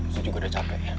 suji gue udah capek ya